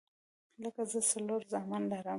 لکه زه څلور زامن لرم